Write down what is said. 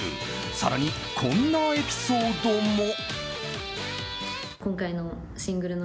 更にこんなエピソードも。